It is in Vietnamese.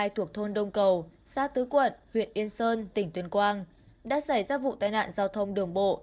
thuộc thôn đông cầu xã tứ quận huyện yên sơn tỉnh tuyên quang đã xảy ra vụ tai nạn giao thông đường bộ